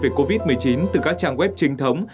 về covid một mươi chín từ các trang web chính thống